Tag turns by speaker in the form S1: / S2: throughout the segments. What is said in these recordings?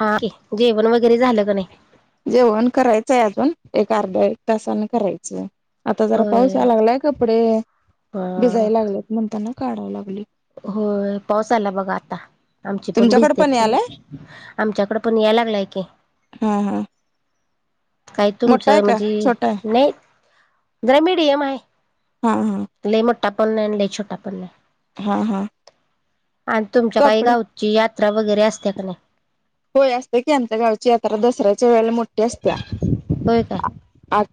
S1: हाय जेवण वगैरे झाल का नाही?
S2: जेवण करायचय अजून एक अर्धा एक तासाने करायचय. आता जरा
S1: होय
S2: पावसाला येयला लागलाय कपडे
S1: ह
S2: भिजायला लागले. म्हणताना काढाय लागलोय.
S1: होय पाऊस आला बघा आता. आमची पण
S2: तुमच्याकडे
S1: भिजतेचग
S2: यालाय
S1: आमच्याकड पण याय लागलाय की.
S2: ह ह.
S1: काय तुमचं म्हणजे नाही जरा मीडियम आहे.
S2: हम हम्म.
S1: टापण नाही लई छोटा पण नाही.
S2: हा हा.
S1: आणि तुमच्या काही
S2: कपडे
S1: गावची यात्रा वगैरे असते्या का नाही?
S2: होय असते की आमच्या गावची यात्रा दसऱ्याच्या वेळेला मोठी असत्या.
S1: होय काय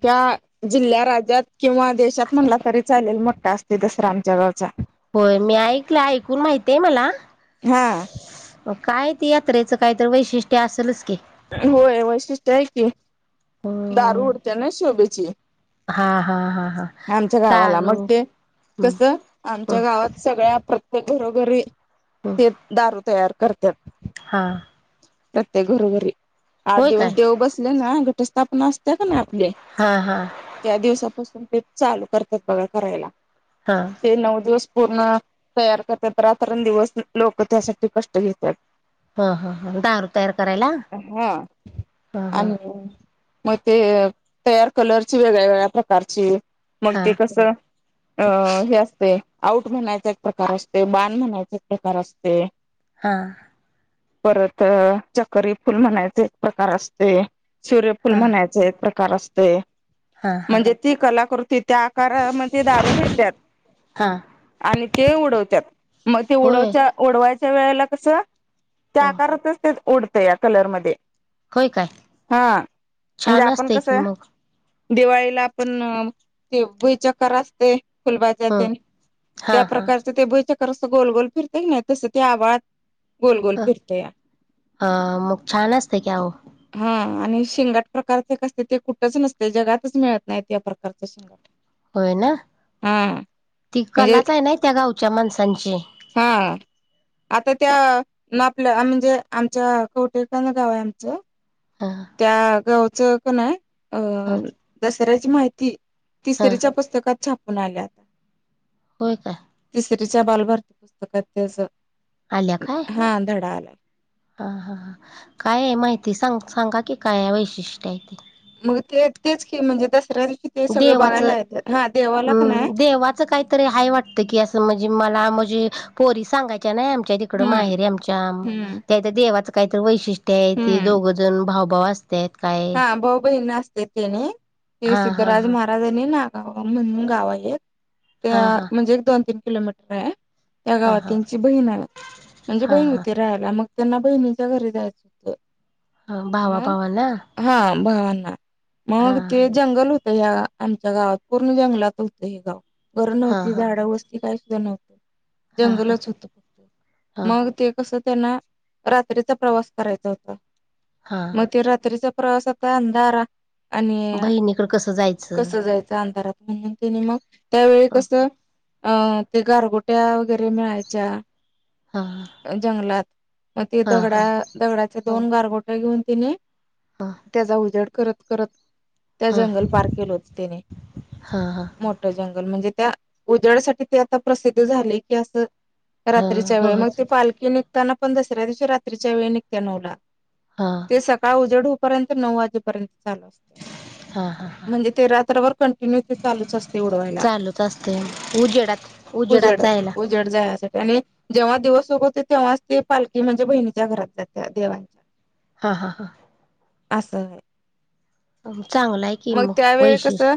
S2: त्या जिल्ह्या राज्यात किंवा देशात म्हणला तरी चालेल मोठा असते दसरा आमच्या गावचा.
S1: होय मी ऐकलं ऐकून माहितय मला.
S2: हा
S1: काय ते यात्रेचं काहीत वैशिष्ट्य असेलच की.
S2: होय वैशिष्ट आहे की
S1: होय
S2: दारू उडत ना शोभेची.
S1: हा हा हा हा दारू. हम्म
S2: कस
S1: हम्म
S2: आमच्या गावात सगळ्या ते घरोघरी
S1: हम्म
S2: ते दारू तयार करतात.
S1: हा
S2: प्रत्येक घरोघरी आठ
S1: होय
S2: दिवस
S1: काय
S2: देव बसले ना घटस्थापना असते कि नाय.
S1: हा हा
S2: त्या दिवसापासून ते चालू करतात बघा करायला.
S1: हा
S2: ते नऊ दिवस पूर्ण तयार करताता रात्रण दिवस लोक त्यासाठी कष्ट घेतात.
S1: हा हा ह दारू तयार करायला,
S2: हा
S1: हा हा.
S2: आणि मग ते तयार कलरची वेगळ्या वेगळ्या प्रकारची. मग
S1: हा
S2: ते कस अं हे असते. आऊट म्हणायचा एक प्रकार असते बान म्हणायचा एक प्रकार असते.
S1: हा.
S2: परत चकरी फुल म्हणायचे एक प्रकार असते. सूर्यफुल
S1: हा
S2: म्हणायचे एक प्रकार असतेय.
S1: हा हा
S2: म्हणजे ती कलाकृती त्या आकारामध्ये दारू भरतात.
S1: हा
S2: आणि ते उडवतात मग ते
S1: होय
S2: उडवच्या उडवायच्या वेळेला कसं
S1: हो
S2: करतच ते ओढतं या कलरमध्ये.
S1: होय काय
S2: हा म्हणजे
S1: छान
S2: आपण
S1: असते
S2: कस
S1: की मग
S2: दिवाळीला आपण ते भुईचकर असते. फुलबाज्या
S1: हम्म
S2: तेन
S1: हा
S2: त्या
S1: हा
S2: प्रकारच ते भुईचक्कर कस गोलगोल फिरतय ना तसं ते आभाळात गोलगोल फिरतया.
S1: हा मग छान असते कि हो.
S2: हा आणि शिंगट प्रकारचे क असते ते कुठच नसते जगातच मिळत नाही या प्रकारच शिंगट.
S1: होय ना ती
S2: म्हणजे
S1: कलाच आहे ना त्या गावच्या माणसांची.
S2: हा. आता त्या ना आपल्या म्हणजे आमच्या कटे काण गाव आहे आमचं.
S1: ह
S2: त्या गावचं क नाय अ
S1: ह
S2: दसऱ्याची माहिती
S1: ह
S2: तिसरीच्या पुस्तकात छापून आल्याता.
S1: हो काय?
S2: तिसरीच्या बालभारती पुस्तकात
S1: आल्या काय
S2: हा धडा आलाय.
S1: हा हा हा, काय आहे माहिती सांग सांगा की काय वैशिष्ट्य आहे ते?
S2: मग ते तेच म्हणजे दसऱ्या दिवशी ते सगळं
S1: देवाच
S2: बघायला येतात हा देवाला क नाय
S1: म देवाच काहीतरी हाय वाटतं की असं म्हणजे मला म्हणजे पोरी सांगायच्या नाही आमच्या तिकड
S2: हम्म
S1: माहेरी आमच्या
S2: हम्म
S1: त्या इथं देवाच काहीत वैशिष्ट्य आहे ती
S2: हम्म
S1: दोघजण भावभाव असत
S2: हा भाऊ बहीन असतात तेनी हे
S1: हा हा
S2: सिद्धराज
S1: हा
S2: महाराजनी ना म्हणून गाव आहेत
S1: हा
S2: त्या
S1: हा
S2: म्हणजे एक दोन तीन किलोमीटर आहे. त्या
S1: हा
S2: गावात
S1: हा
S2: त्यांची बहीण आय म्हणजे
S1: हा
S2: बहीण
S1: हा
S2: होती राहाला मग त्यांना बहिणीच्या घरी जायच होतं.
S1: ह भावा भावा ना.
S2: ह भावना मग ते जंगल हो या आमच्या गावात पूर्ण जंगलात होतं हे गाव घरं
S1: हा
S2: नव्हती
S1: हा
S2: झाडं वस्ती काय नव्हतं
S1: हा हा
S2: जंगलच होत फक्त
S1: हा
S2: मग ते कस त्यांना रात्रीचा प्रवास करायचा होता
S1: हा
S2: मग ते रात्री चा प्रवास आता अंधारा आणि
S1: बहिणीकडं कसं जायचं
S2: कस जायच अंधारात. म्हणून जेनी मग त्यावेळी
S1: हा
S2: कसं अ ते गारगोट्या वगैरे मिळायच्या
S1: हा
S2: जंगलात. मग ते
S1: हा हा
S2: दगडा दगडाचे
S1: हा
S2: दोन गारगोटे घेऊन तिने त्याचा उजेड करत करत त्या
S1: हा
S2: जंगल पार केलं होत त्यानी
S1: हा हा
S2: मोठ जंगल म्हणजे त्या उजडासाठी ते आता प्रसिद्ध झाले की असं
S1: हा
S2: रात्रीच्या वेळे मग
S1: होच
S2: ते पालखीने त्यांना पण दसऱ्या दिवशी रात्रीच्या वेळी निघत्या नऊला.
S1: हा.
S2: अढ पर्यंत नऊ वाजेपर्यंत चालू असते.
S1: हा हा हा
S2: म्हणजे ते रात्राभर कंटिन्यू ते चालूच असते उडवायला.
S1: चालूच असते उजेडात उजेडात
S2: उजड
S1: जायला
S2: उजड जायासाठी. त्यानी जेव्हा दिवस उगोवते तेव्हाच ते पालखी म्हणजे बहिणीच्या घरात जाते देवांच्या.
S1: हा हा हा.
S2: असं होय.
S1: अ
S2: मग त्यावेळी कसं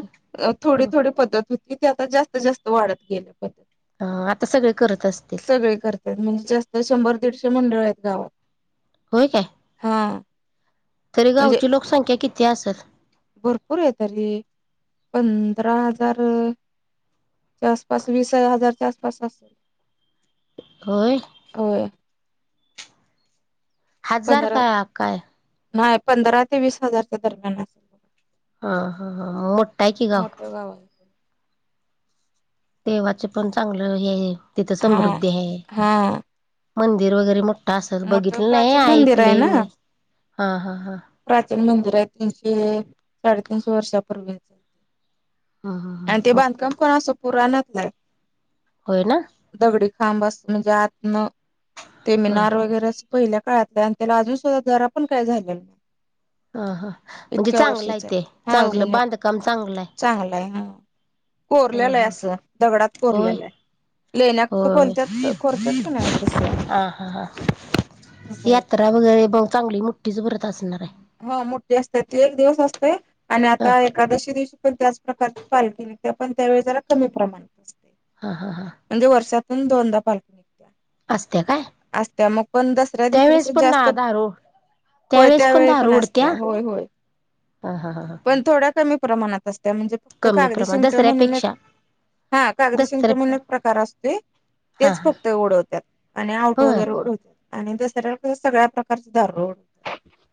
S2: थोडी थोडी पद्धत हो तिथे आता जास्त जास्त वाढत गेले पद्धत.
S1: ह आता सगळे करत असतील
S2: सगळे करतात म्हणजे जास्त शंभर दीडशे मंडळ आहेत. जावं
S1: होय काय
S2: हा.
S1: तरी
S2: म्हणजे
S1: गावची लोकसंख्या किती असल?
S2: भरपूर येतरी पंधरा हजार आसपास वीस हजारच्या आसपास अस
S1: होय. हजार
S2: पंधरा
S1: का काय?
S2: नाही पंधरा ते वीस हजारच्या दरम्यान.
S1: हा हा हा मोठाय कि गावं.
S2: मोठं गाव आहे
S1: देवाच पण चांगलं हे तिथं
S2: हा
S1: समृद्धी आहे.
S2: हा
S1: मंदिर वगैरे मोठा असल
S2: मोठं
S1: बघितलं नाही
S2: प्राचीन मंदिर आहे
S1: ऐकलंय
S2: ना
S1: मी, हा हा. हा
S2: प्राचीन मंदिर आहे तीनशे साडेतीनशे वर्षापूर्वी.
S1: ह
S2: आणि ते
S1: ह
S2: बांधकाम पण असं पुराणतलाय.
S1: होय ना.
S2: खांब म्हणजे आतन ते
S1: ह
S2: मिनार वगैरेच पहिल्या काळातलं आणि त्याला अजून सुद्धा जरा पण काय झाले नाही.
S1: ह ह म्हणजे
S2: इतक्या
S1: चांगलं
S2: वर्षीच आहे
S1: ते
S2: हा
S1: चांगलं
S2: जुन्या
S1: बांधकाम चांगलं आहे
S2: चांगला आहे हा. कोरलेलंय असं दगडात
S1: होय
S2: कोरलेलंय. लेण्या
S1: होय
S2: कोनत्यात कोरतात कि नाही तसं.
S1: हा हा हा
S2: तसं आहे ते
S1: यात्रा वगैरे मग चांगली मुठ्ठीच भरत असणार आहे.
S2: हो मोठी असते ती एक दिवस असत आणि
S1: हा
S2: आता एकादशी दिवशी पण त्याच प्रकारची पाल्टी निघते पण त्यावेळी जरा कमी प्रमाणात असते
S1: हा हा हा
S2: म्हणजे वर्षात त दोनदा पालखी निघत्या
S1: असत्या काय?
S2: असत्या मग पण दसऱ्या दिवशी
S1: त्यावेेळेस
S2: कसं
S1: पण ना
S2: जास्त
S1: धारो
S2: होय
S1: त्यावेेळेस पण
S2: त्यावेळी
S1: धा
S2: पण असत्या होय होय,
S1: हा हा
S2: पण थोड्या कमी प्रमाणात. त्या म्हणजे फक्त
S1: कमी
S2: कागदी
S1: प्रमाण
S2: शिंगट म्हणून एक
S1: दसऱ्यापेक्षा
S2: हा कागदी शिंगट
S1: दसऱ्या
S2: म्हणून एक प्रकार असतोय.
S1: हा
S2: तेच
S1: हा
S2: फक्त ओढवतात आणि आउट
S1: होय
S2: वगैरे ओढवत आणि दसऱ्या सगळ्या प्रकारच दारोड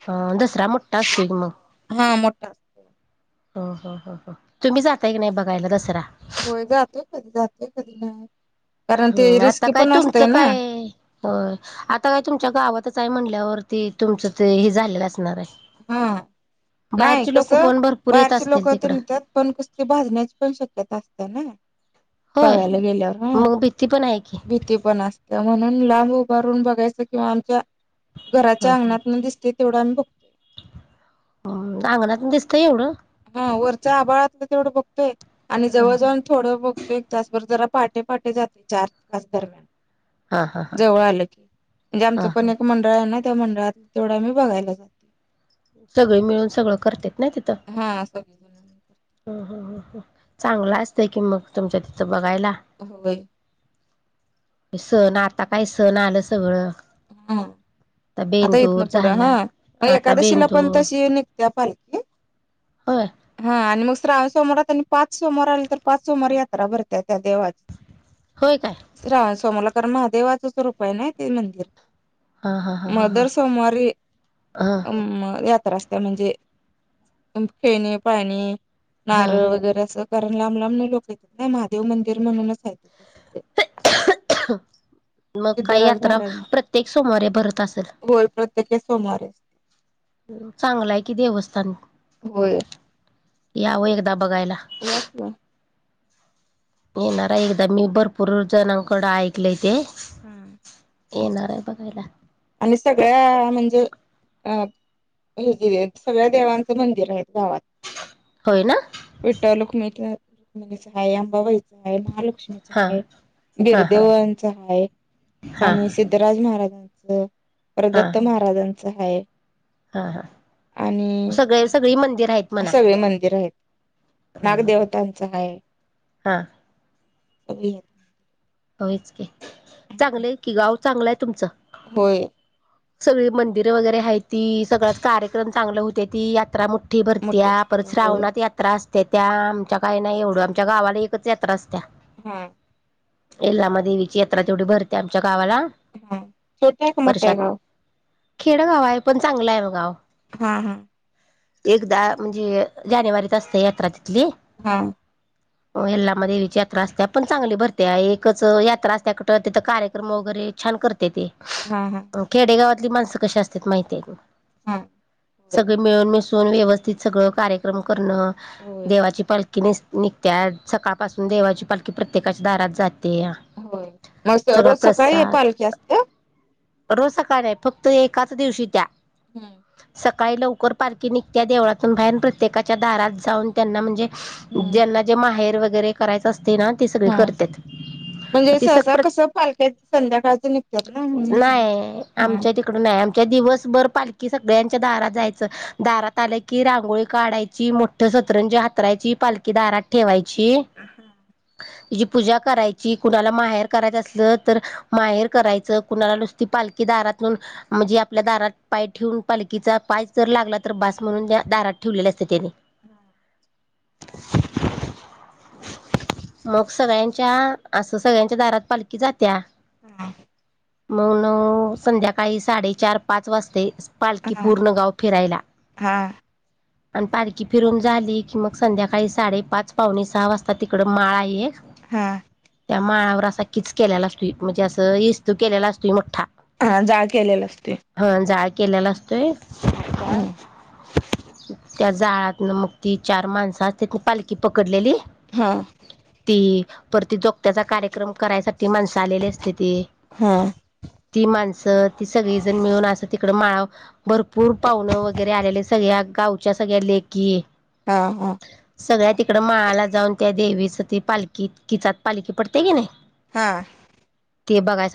S1: अ दसरा मोट्टा असतो की मग.
S2: हा मोठा असतोय.
S1: हो हो हो हो तुम्ही जाताय की नाही? बघायला दसरा,
S2: होय जातोय कधी जातोय कधी नाही कारण ते
S1: हम्म आता
S2: रिस्की
S1: काय
S2: पण असतय
S1: तुमचं
S2: ना
S1: काय हो आता काय तुमच्या गावातच काय म्हटल्यावरती तुमचं ते हे झालेलं असणार आहे.
S2: हा नाही
S1: बाहेरची लोक
S2: कसं
S1: पण भरपूर येत
S2: बाहेरचे लोक
S1: असतील
S2: तर
S1: तिकडं
S2: नेतात पण कस ते भाजण्याची पण शक्यता असते. ना
S1: होय
S2: बघायला गेल्यावर ह
S1: मग भीती पण आहे की
S2: भीती पण असत म्हणून लांब उभारून बघायचं किंवा आमच्या घराच्या अंगणात न दिसते तेवढं आम्ही बघतोय.
S1: हम अंगणात दिसत एवढं.
S2: हा वरच्या आबाळातलं तेवढं बघतोय आणि जवळ जाऊ थोडं बघतोय त्याच बरोबर जरा पहाटे पहाटे जाते चार तास दरम्यान
S1: हा हा
S2: जवळ आलं की म्हणजे आमचं
S1: हा
S2: पण एक मंडळ आहे ना. त्या मंडळात जोड्या बी बघायला जाते.
S1: सगळे मिळून सगळं करते.
S2: हा सगळीजन
S1: हं चांगला असतय कि मग तुमच्या तिथं बघायला.
S2: होय
S1: सण आता काय सण आलं सगळं.
S2: हा. आता इथन
S1: बेंदूर
S2: पुढं हा
S1: झाला
S2: मग
S1: आता
S2: एकादशीला पण
S1: बेंदूर
S2: तशी निघते पालखी.
S1: होय
S2: हा आणि मग श्रावण सोमवारात आणि पाच सोमवार आले तर पाच समार यात्रा भरत्यात. त्या
S1: होय काय
S2: देवाची राज त मला कारण महादेवाचं रूप आहे की नाही ते मंदिर
S1: हा हा हा हा
S2: मगं दर सोमवारी
S1: हा
S2: यात्रा त म्हणजे खेणे पाणी
S1: ह ह
S2: नारळ वगैरे अस. कारण लांब लांबण लोक येत ना महादेव मंदिर म्हणूनच आहेय ते प्रसिद्ध
S1: अ [unintelligible] मग काही
S2: सिद्धराज
S1: यात्रा
S2: महाराज
S1: प्रत्येक सोमवारी भरत असेल.
S2: होय प्रत्येक सोमवारी
S1: चांगलंय कि देवस्थान
S2: होय.
S1: यावं एकदा बघायला,
S2: या किंवा
S1: येणार एकदा मी भरपूर जणांकड ऐकलंय ते
S2: हम्म,
S1: येणारय बघायला.
S2: आणि सगळ्या म्हणजे अं हेच सगळ्या देवांचं मंदिर आहेत गावात.
S1: होय ना
S2: विठ्ठल -रुक्मिणी, आईआंबाबाई आहे. महालक्ष्मीचा
S1: हा
S2: आहे,
S1: हा हा
S2: बीरदेवांचा आहे
S1: हा
S2: आणि सिद्धराज महाराजांचं, परत
S1: हा
S2: दत्त महाराजांचं आहे.
S1: हा हा
S2: आणि
S1: सगळे सगळी मंदिर आहेत म्हणा
S2: सगळे मंदिर आहेत. नागदेवतांचा आहे.
S1: हा,
S2: स [inaudible]
S1: होच का चांगलंय कि गाव चांगलं आहे तुमचं,
S2: होय.
S1: सगळी मंदिरं वगैरे आहे ती सगळच कार्यक्रम चांगले होते ती यात्रा मो ठी
S2: मोठे
S1: भरत्या
S2: असते
S1: परत
S2: होय
S1: श्रावणात यात्रा असत्या त्या आमच्या काही नाही एवढं आमच्या गावाला एकच यात्रा असत्या.
S2: हा
S1: येलाम्मा देवीची यात्रा तेवडी भरते आमच्या गावाला
S2: हा छोटे आहे का मोठे
S1: वर्शात
S2: आहे गाव
S1: खेडगाव आहे. पण चांगलं आहे मग गाव
S2: हा हा.
S1: एकदा म्हणजे जानेवारीत असते यात्रा तिथली.
S2: हा!
S1: हो यल्लामा देवीची यात्रा असत्या पण चांगली भरते. त्या एकच यात्रा असत्या कूट तिथं कार्यक्रम वगैरे छान कर तेते
S2: हा हा
S1: खेडेगावातली माणसं कशी असत्यात माहितीय
S2: हा होय
S1: सगळे मिळून, मिसून व्यवस्थित सगळं कार्यक्रम परन
S2: होय
S1: देवाची पालखी निस निघते आज सकाळ पाासून देवाची पालखी प्रत्येकाच्या दारात जात
S2: होय मस्त रोज सकाळी अ
S1: प्रसाद
S2: पालखी असते?
S1: रोज सकाळ नाही फक्त एकाच दिवशी त्या.
S2: हूं!
S1: काळी लवकर पालकी निघतीया, त्या देवळातून भाहेन प्रत्येकाच्या दारात जाऊन त्यांना म्हणजे
S2: हम्म
S1: ज्यांना जे माहेर वगैरे करायचं असते ना ते सगळे
S2: हा
S1: करत्यात.
S2: म्हणजे सहसा कस पालख्याच संध्याकाळच निघत्या त ना म्हणून
S1: नाही
S2: म्हणलं.
S1: आमच्या तिकडं नाही आमच्या दिवसभर पालखी सगळ्यांच्या दारात जायचं. दारात आलं की रांगोळी काढायची मोठी सतरंजी हातरायची पालखी दारात ठेवायची.
S2: हम्
S1: तिची पूजा करायची. कुणाला माहेर करायचं असल तर माहेर करायचं. कुणाला नुसती पालखी दारात म्हणजे आपल्या दारात पाय ठेवून पालखीचा पाय जर लागला तर भास म्हणून त्या दारात ठेवलेले असते त्यानी
S2: हम
S1: मग. सगळ्यांच्या असं सगळ्यांच्या दारात पालखी जात्या.
S2: हा!
S1: मग न संध्याकाळी साडेचार पाच वाजता ये पालखी
S2: हा
S1: पूर्णगाव फिरायला
S2: हा
S1: आण पालखी फिरून झाली की मग संध्याकाळी साडेपाच, पावणे सहा वाजता, तिकड माळ आहे एक
S2: हा!
S1: त्या माळावर अस कीच केलेला असतुय म्हणजे असं इस्तू केलेला असतो मोठ्ठा.
S2: हा जाळ केलेला असतोय.
S1: जाळ केलेला असतोय.
S2: हूं!
S1: त्या जाळातन मग ती चार माणसं आत येता पालखी पकडलेली
S2: हा!
S1: ती परती जोगत्याचा कार्यक्रम करायसाठी माणसं आलेली असते ते-
S2: हा
S1: ती माणसं ती सगळीजण मिळून, असं तिकड माळा भरपूर पाहुण वगैरे आलेले सगळ्या गावच्या सगळ्या लेकी
S2: हा हा!
S1: तिकड माळाला जाऊन त्या देवीच ती पालखी किचात पालखी पडते की नाही.
S2: हा!
S1: ते बगाय सां